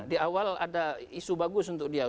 di awal ada isu bagus untuk dia